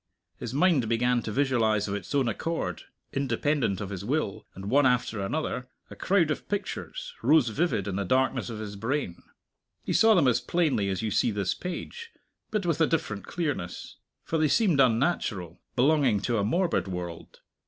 His mind began to visualize of its own accord, independent of his will; and, one after another, a crowd of pictures rose vivid in the darkness of his brain. He saw them as plainly as you see this page, but with a different clearness for they seemed unnatural, belonging to a morbid world.